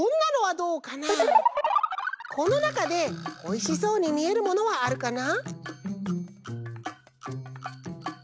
このなかでおいしそうにみえるものはあるかな？